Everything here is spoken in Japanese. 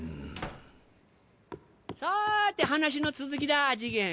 さて話の続きだ次元。